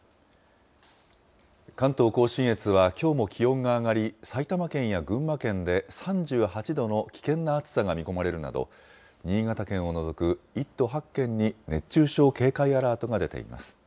関東甲信越はきょうも気温が上がり、埼玉県や群馬県で３８度の危険な暑さが見込まれるなど、新潟県を除く１都８県に熱中症警戒アラートが出ています。